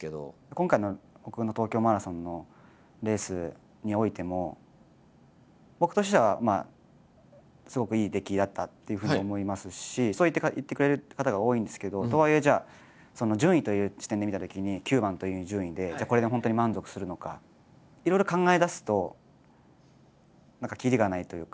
今回の僕の東京マラソンのレースにおいても僕としてはすごくいい出来だったっていうふうに思いますしそう言ってくれる方が多いんですけどとはいえじゃあ順位という視点で見たときにいろいろ考えだすと何か切りがないというか。